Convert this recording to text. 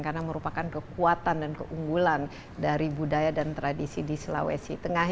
karena merupakan kekuatan dan keunggulan dari budaya dan tradisi di sulawesi tengah